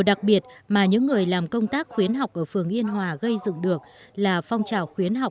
đặc biệt mà những người làm công tác khuyến học ở phường yên hòa gây dựng được là phong trào khuyến học